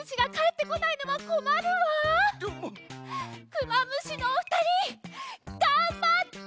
クマムシのおふたりがんばって！